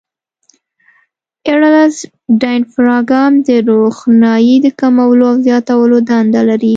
آیرس ډایفراګم د روښنایي د کمولو او زیاتولو دنده لري.